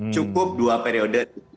cukup dua periode